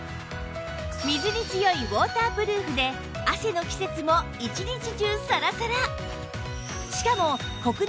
水に強いウォータープルーフで汗の季節も１日中サラサラ！